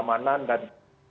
keamanan yang besar